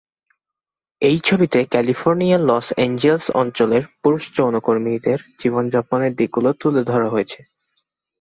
এই ছবিতে ক্যালিফোর্নিয়ার লস এঞ্জেলস অঞ্চলের পুরুষ যৌনকর্মীদের জীবনযাপনের দিকগুলি তুলে ধরা হয়েছে।